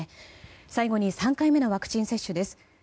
最後に３回目のワクチン接種です。